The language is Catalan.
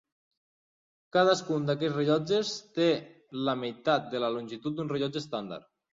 Cadascun d'aquests rellotges té la meitat de la longitud d'un rellotge estàndard.